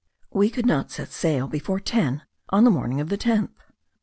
We could not set sail before ten on the morning of the 10th.